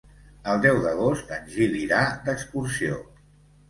El deu d'agost en Gil irà d'excursió.